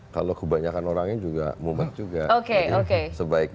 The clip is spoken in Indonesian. kalau kebanyakan orangnya juga mumet juga oke oke